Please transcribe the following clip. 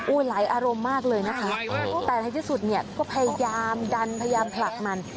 หลายอารมณ์มากเลยนะคะแต่ในที่สุดเนี่ยก็พยายามดันพยายามผลักมัน